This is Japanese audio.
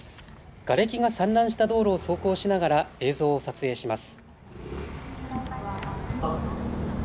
がれきが散乱した道路を走行しながら映像を撮影します。